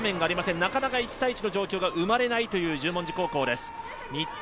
なかなか１対１の状況が生まれないという場面です。